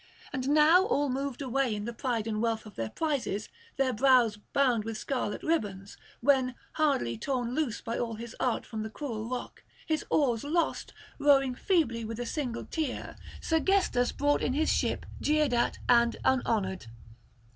And now all moved away in the pride and wealth of their prizes, their brows bound with scarlet ribbons; when, hardly torn loose by all his art from the cruel rock, his oars lost, rowing feebly with a single tier, Sergestus brought in his ship jeered at and unhonoured.